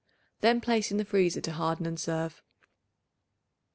Then place in the freezer to harden and serve.